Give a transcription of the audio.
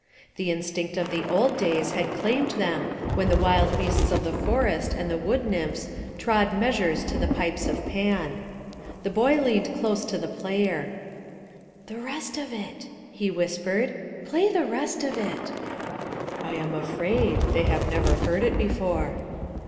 The instinct of the old days had claimed them when the wild beasts of the forest and the wood nymphs trod measures to the pipes of Pan. The boy leaned close to the player. "The rest of it," he whispered. "Play the rest of it!" "I am afraid. They have never heard it before."